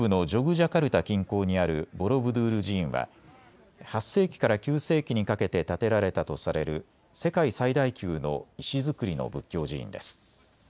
ジャカルタ近郊にあるボロブドゥール寺院は８世紀から９世紀にかけて建てられたとされる世界最大級の石造りの仏教寺院です。